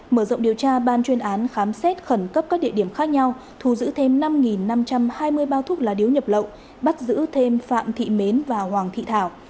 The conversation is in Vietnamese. mở rộng điều tra ban chuyên án khám xét khẩn cấp các địa điểm khác nhau thu giữ thêm năm năm trăm hai mươi bao thuốc lá điếu nhập lậu bắt giữ thêm phạm thị mến và hoàng thị thảo